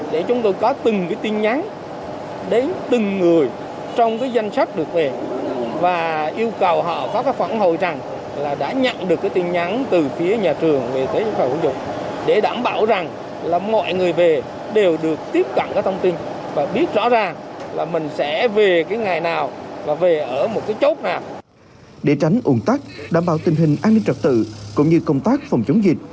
để tránh ủng tắc đảm bảo tình hình an ninh trật tự cũng như công tác phòng chống dịch